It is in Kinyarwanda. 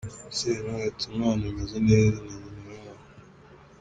Sentore ati “Umwana ameze neza, na nyina araho.